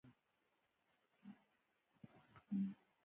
مونږ به د کندهار په لاره لار میله وکولای شو.